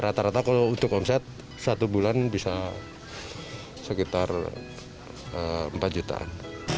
rata rata kalau untuk omset satu bulan bisa sekitar empat jutaan